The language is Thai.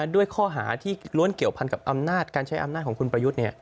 ด้วยข้อหาที่ล้วนเกี่ยวพันกับอำนาจการใช้อำนาจของคุณประยุทธ์